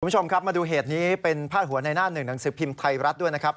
คุณผู้ชมครับมาดูเหตุนี้เป็นพาดหัวในหน้าหนึ่งหนังสือพิมพ์ไทยรัฐด้วยนะครับ